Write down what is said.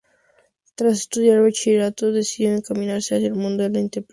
Tras estudiar Bachillerato, decidió encaminarse hacia el mundo de la interpretación.